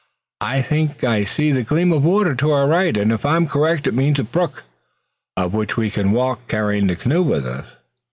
I think I see the gleam of water to our right and if I'm correct it means a brook, up which we can walk carrying the canoe with us."